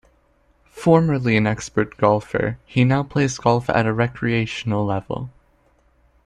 Formerly an expert golfer, he now plays golf at a recreational level.